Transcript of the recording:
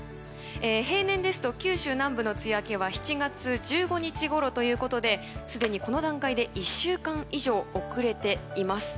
平年ですと九州南部の梅雨明けは７月１５日ごろということですでにこの段階で１週間以上遅れています。